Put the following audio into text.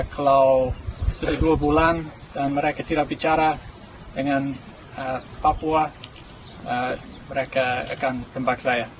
kalau dua bulan dan mereka tidak bicara dengan papua